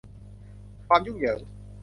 ความยุ่งเหยิง